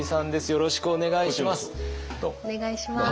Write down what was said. よろしくお願いします。